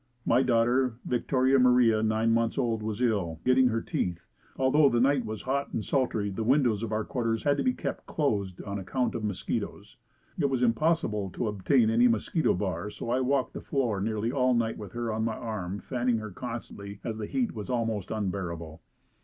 My daughter, Victoria Maria, nine months old, was ill, getting her teeth and although the night was hot and sultry the windows of our quarters had to be kept closed on account of the mosquitoes. It was impossible to obtain any mosquito bar so I walked the floor nearly all night with her on my arm fanning her constantly as the heat was almost unbearable.